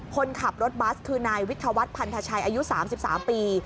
คนขับรถบัสคือนายวิทยาวัฒนพันธชัยอายุ๓๓ปี